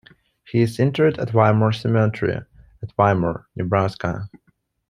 He is interred at Wymore Cemetery in Wymore, Nebraska.